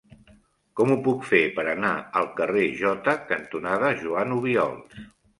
Com ho puc fer per anar al carrer Jota cantonada Joan Obiols?